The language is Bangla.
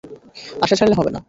আশা ছাড়লে হবে না।